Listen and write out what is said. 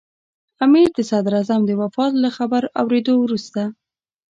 امیر د صدراعظم د وفات له خبر اورېدو وروسته.